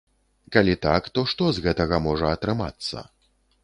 Калі так, то што з гэтага можа атрымацца?